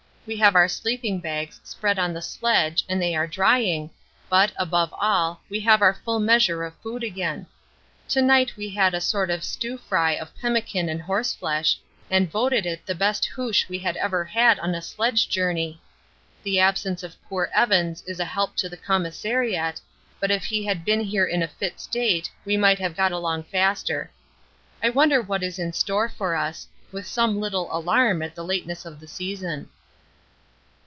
We have our sleeping bags spread on the sledge and they are drying, but, above all, we have our full measure of food again. To night we had a sort of stew fry of pemmican and horseflesh, and voted it the best hoosh we had ever had on a sledge journey. The absence of poor Evans is a help to the commissariat, but if he had been here in a fit state we might have got along faster. I wonder what is in store for us, with some little alarm at the lateness of the season.